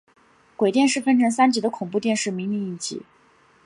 鬼店是分成三集的恐怖电视迷你影集。